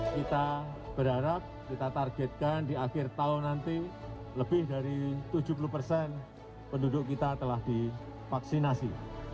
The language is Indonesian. kita berharap kita targetkan di akhir tahun nanti lebih dari tujuh puluh persen penduduk kita telah divaksinasi